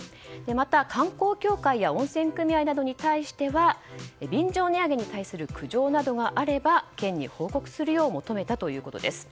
また、観光協会や温泉組合などに対しては便乗値上げに対する苦情などがあれば県に報告するように求めたということです。